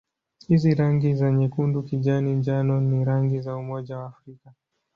Hizi rangi za nyekundu-kijani-njano ni rangi za Umoja wa Afrika.